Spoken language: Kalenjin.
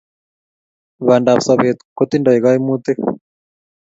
Bandab sobet kotindoi kaimutik